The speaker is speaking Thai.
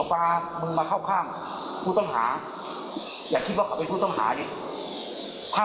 พ่อบ้านฝั่งกล้าแสทีกลับไหมฮะ